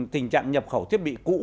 tình trạng nhập khẩu thiết bị cũ